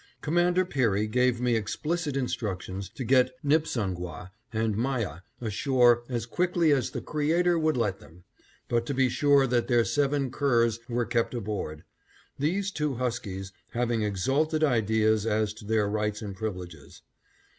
Commander Peary gave me explicit instructions to get Nipsangwah and Myah ashore as quick as the Creator would let them, but to be sure that their seven curs were kept aboard; these two huskies having exalted ideas as to their rights and privileges.